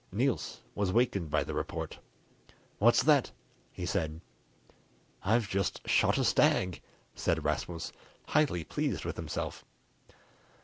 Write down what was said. Niels was wakened by the report. "What's that?" he said. "I've just shot a stag," said Rasmus, highly pleased with himself.